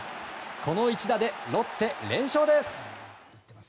この一打でロッテ連勝です。